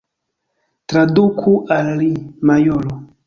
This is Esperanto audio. Traduku al li, majoro!